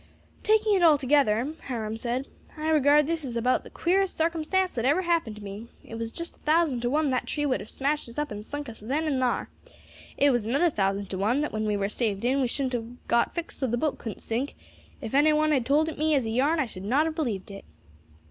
"Taking it altogether," Hiram said, "I regard this as about the queerest sarcumstance that ever happened to me; it was just a thousand to one that tree would have smashed us up and sunk us then and thar. It was another thousand to one that when we were staved in we shouldn't have got fixed so that the boat couldn't sink; if any one had told it me as a yarn I should not have believed it."